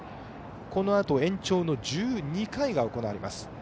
このあと延長１２回が行われます。